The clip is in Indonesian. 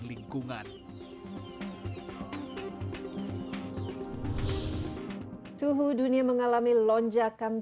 lingkungan suhu dunia mengalami lonjakan